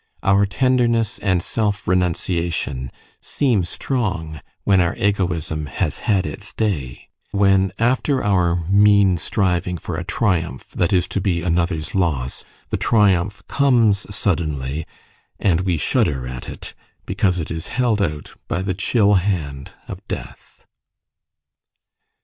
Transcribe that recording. Our tenderness and self renunciation seem strong when our egoism has had its day when, after our mean striving for a triumph that is to be another's loss, the triumph comes suddenly, and we shudder at it, because it is held out by the chill hand of death.